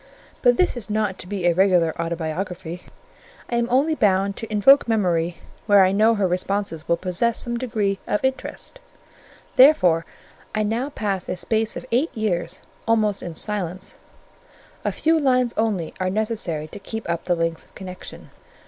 But this is not to be a regular autobiography: I am only bound to invoke Memory where I know her responses will possess some degree of interest; therefore I now pass a space of eight years almost in silence: a few lines only are necessary to keep up the links of connection.